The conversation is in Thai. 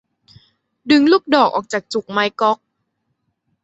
ดึงลูกดอกออกจากจุกไม้ก๊อก